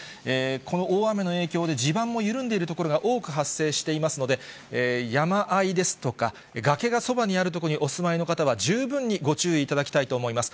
この大雨の影響で、地盤も緩んでいる所が多く発生していますので、山あいですとか、崖がそばにある所にお住まいの方は、十分にご注意いただきたいと思います。